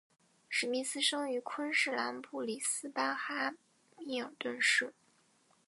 史密斯生于昆士兰布里斯班哈密尔顿市。